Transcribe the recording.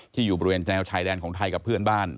อยู่บริเวณแนวชายแดนของไทยกับเพื่อนบ้าน